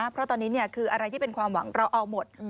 เพราะตอนนี้คืออะไรที่เป็นความหวังเราเอาหมด